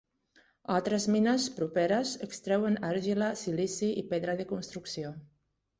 Altres mines properes extreuen argila, silici i pedra de construcció.